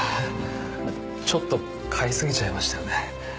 ちょっと買いすぎちゃいましたよね。